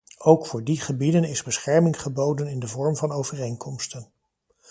Ook voor die gebieden is bescherming geboden in de vorm van overeenkomsten.